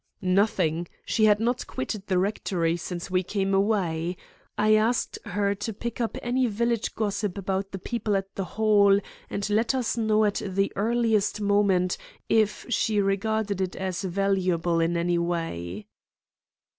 "Nothing. She had not quitted the rectory since we came away. I asked her to pick up any village gossip about the people at the Hall, and let us know at the earliest moment if she regarded it as valuable in any way."